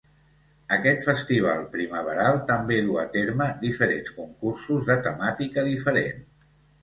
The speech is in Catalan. Aquest festival primaveral també duu a terme diferents concursos de temàtica diferent.